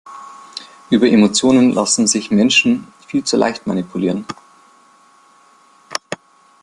Über Emotionen lassen sich Menschen viel zu leicht manipulieren.